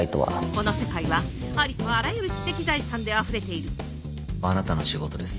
この世界はありとあらゆる知的財産であふれているあなたの仕事です。